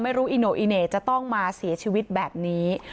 ไม่รู้อิโนะอิเหนะจะต้องมาเสียชีวิตแบบนี้